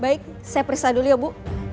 baik saya periksa dulu ya bu